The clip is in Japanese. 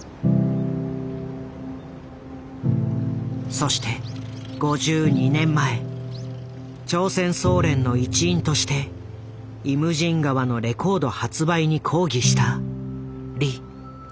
そして５２年前朝鮮総連の一員として「イムジン河」のレコード発売に抗議したリ・チョルウ。